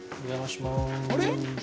あれ？